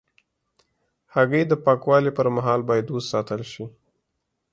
هګۍ د پاکوالي پر مهال باید وساتل شي.